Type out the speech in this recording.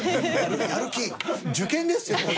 受験ですよね。